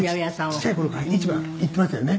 「ちっちゃい頃から市場行っていましたよね？」